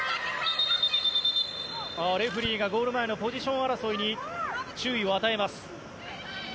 レフェリーがゴール前のポジション争いに注意を与えます。